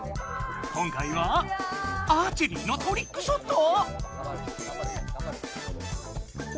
今回はアーチェリーのトリックショット⁉